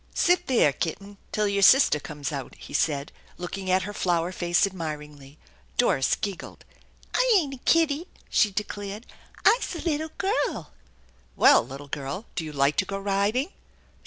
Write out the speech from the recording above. "Sit there, kitten, till your sister coiaes out," he said, looking at her flower face admiringly. Doris giggled. " I ain't a kitty," she declared; " I'se a 'ittle gurrul! "" Well, little girl, do you like to go riding?